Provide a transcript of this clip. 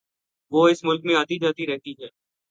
وہ اس ملک میں آتی جاتی رہتی ہے